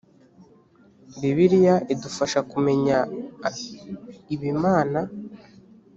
bibiliya idufasha kumenya ib’imana